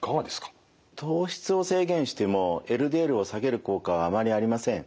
糖質を制限してもＬＤＬを下げる効果はあまりありません。